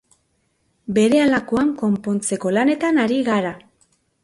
Berehalakoan konpontzeko lanetan ari gara.